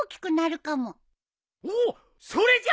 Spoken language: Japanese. おおそれじゃ！